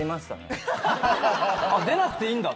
出なくていいんだ！